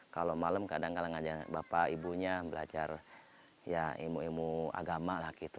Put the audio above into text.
kalau malam kadang kadang ngajar bapak ibunya belajar ya ilmu ilmu agama lah gitu